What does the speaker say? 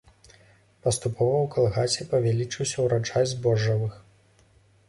Паступова ў калгасе павялічыўся ўраджай збожжавых.